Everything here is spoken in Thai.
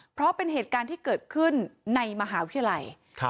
เพราะเป็นเหตุการณ์ที่เกิดขึ้นในมหาวิทยาลัย